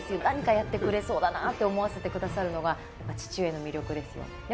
何かやってくれそうだなと思わせてくださるのが父上の魅力です。